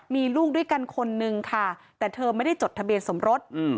มีลูกด้วยกันคนนึงค่ะแต่เธอไม่ได้จดทะเบียนสมรส